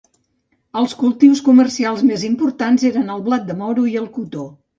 Els cultius comercials més importants eren el blat de moro i el cotó.